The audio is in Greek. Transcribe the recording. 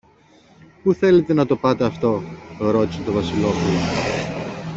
Πού θέλετε να το πάτε αυτό; ρώτησε το Βασιλόπουλο.